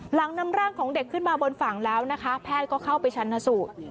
หลังนำร่างของเด็กขึ้นมาบนฝั่งแล้วนะคะแพทย์ก็เข้าไปชันสูตร